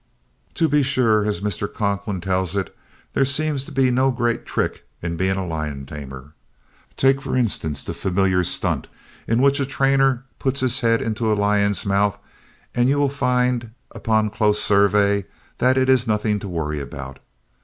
To be sure as Mr. Conklin tells it there seems to be no great trick in being a lion tamer. Take, for instance, the familiar stunt in which a trainer puts his head into a lion's mouth and you will find upon close survey that it is nothing to worry about.